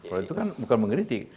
kalau itu kan bukan mengkritik